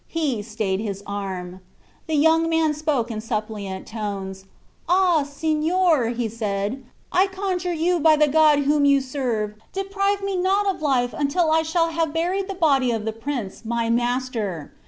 He stayed his arm. The young man spoke in suppliant tones. "Ah! signor," said he, "I conjure you by the God whom you serve, deprive me not of life until I shall have buried the body of the prince, my master.